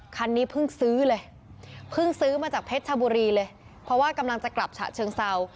คันนี้เพิ่งซื้อเลยเพิ่งซื้อมาจากเพชรชบุรีเลยเพราะว่ากำลังจะกลับฉะเชิงเศร้า